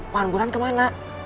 paman bulan kemana